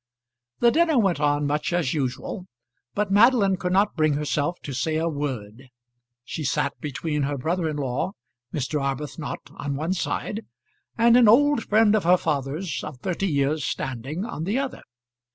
The dinner went on much as usual, but Madeline could not bring herself to say a word. She sat between her brother in law, Mr. Arbuthnot, on one side, and an old friend of her father's, of thirty years' standing, on the other.